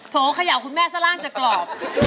โถเขย่าคุณแม่ซะล่างจะกรอบ